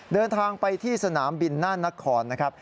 เดินทางไปที่สนามบินน่านนครนะครับ